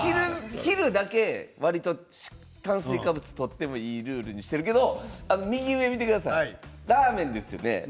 昼だけわりと炭水化物をとっていいルールにしているけど右上、見てくださいラーメンですよね。